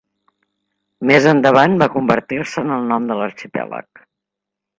Més endavant va convertir-se en el nom de l'arxipèlag.